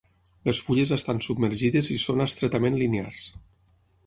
Les fulles estan submergides i són estretament linears.